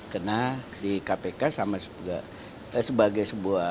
karena di kpk sebagai sebuah institusi hukum dia melakukan penyidikan dan penuntutan